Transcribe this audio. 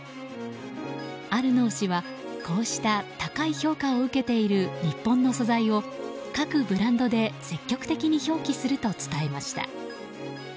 アルノー氏はこうした高い評価を受けている日本の素材を各ブランドで積極的に表記すると伝えました。